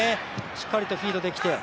しっかりとフィードできて。